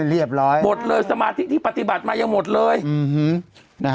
เรียบร้อยหมดเลยสมาธิที่ปฏิบัติมายังหมดเลยอืมนะฮะ